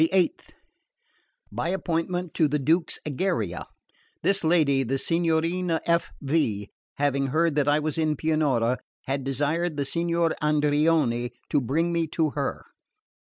The 8th. By appointment, to the Duke's Egeria. This lady, the Signorina F.V., having heard that I was in Pianura, had desired the Signor Andreoni to bring me to her.